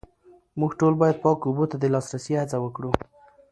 موږ ټول باید پاکو اوبو ته د لاسرسي هڅه وکړو